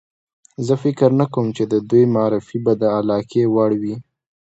زه فکر نه کوم چې د دوی معرفي به د علاقې وړ وي.